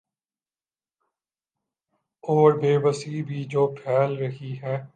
اوربے بسی بھی جو پھیل رہی ہیں۔